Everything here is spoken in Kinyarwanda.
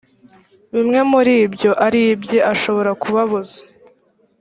bimwe muri byo ari ibye ashobora kubabuza